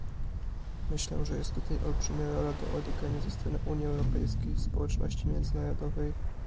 Myślę, że jest tutaj olbrzymia rola do odegrania ze strony Unii Europejskiej, społeczności międzynarodowej